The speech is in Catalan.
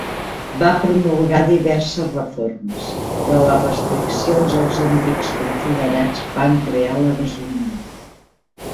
Va promulgar diverses reformes, però les restriccions als antics confederats van crear la desunió.